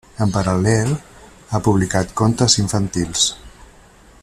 En paral·lel, ha publicat contes infantils.